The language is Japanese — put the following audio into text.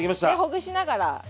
ほぐしながら。